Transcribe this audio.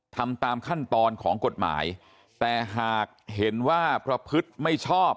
ทำตามขั้นตอนของกฎหมายแต่หากเห็นว่าประพฤติไม่ชอบ